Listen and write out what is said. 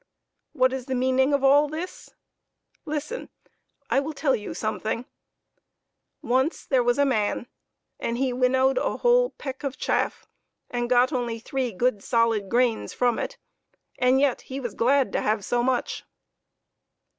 What is the meaning of all this ? Listen, I will tell you something. Once there was a man, and he winnowed a whole peck of chaff, and got only three good solid grains from it, and yet he was glad to have so much.